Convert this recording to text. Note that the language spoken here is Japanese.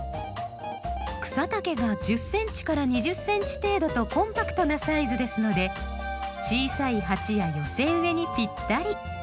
草丈が１０ｃｍから２０ｃｍ程度とコンパクトなサイズですので小さい鉢や寄せ植えにぴったり。